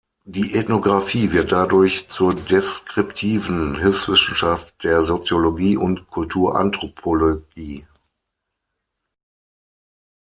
Die Ethnographie wird dadurch zur deskriptiven Hilfswissenschaft der Soziologie und Kulturanthropologie.